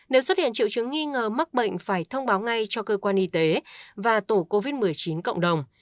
nếu xuất hiện triệu chứng nghi ngờ mắc bệnh phải thông báo ngay cho cơ quan y tế và tổ covid một mươi chín cộng đồng